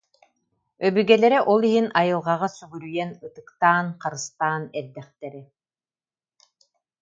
Өбүгэлэрэ ол иһин айылҕаҕа сүгүрүйэн, ытыктаан, харыстаан эрдэхтэрэ